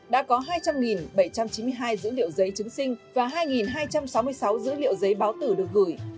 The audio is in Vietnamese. đã có hai trăm linh bảy trăm chín mươi hai dữ liệu giấy chứng sinh và hai hai trăm sáu mươi sáu dữ liệu giấy báo tử được gửi